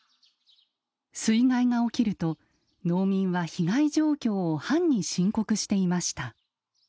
水害が起きると農民は被害状況を藩に申告していました。